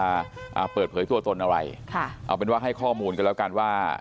อ่าเปิดเผยตัวตนอะไรค่ะเอาเป็นว่าให้ข้อมูลกันแล้วกันว่า